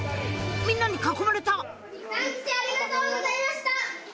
みんなに囲まれた」